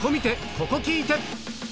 ここ聴いて！